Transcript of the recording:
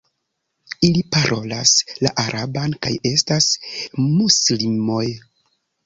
Ili parolas la araban kaj estas muslimoj.